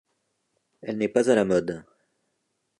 Elle n'est pas à la mode.